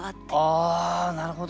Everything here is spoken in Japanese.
ああなるほど。